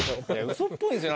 嘘っぽいんすよ